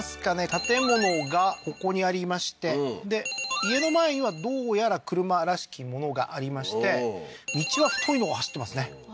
建物がここにありましてで家の前にはどうやら車らしきものがありまして道は太いのが走ってますね